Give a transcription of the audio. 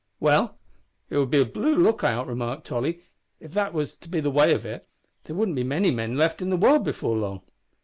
"Well, it would be a blue lookout," remarked Tolly, "if that was to be the way of it. There wouldn't be many men left in the world before long."